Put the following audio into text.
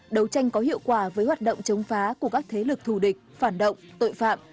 đấu tranh có hiệu quả với hoạt động chống phá của các thế lực thù địch phản động tội phạm